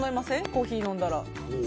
コーヒー飲んだら。